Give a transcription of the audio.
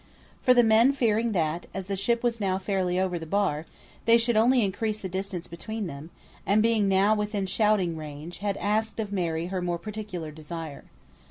For the men fearing that, as the ship was now fairly over the bar, they should only increase the distance between them, and being now within shouting range, had asked of Mary her more particular desire.